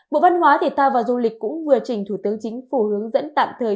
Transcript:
bộ văn hóa thể thao và du lịch cũng vừa trình thủ tướng chính phủ hướng dẫn tạm thời